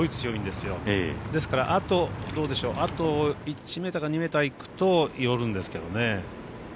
ですからあと１ｍから２ｍいくと寄るんですけどね。